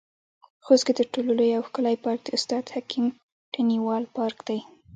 خوست کې تر ټولو لوى او ښکلى پارک د استاد حکيم تڼيوال پارک دى.